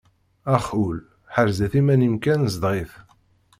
Ax ul ḥrez-it iman-im kan zdeɣ-it.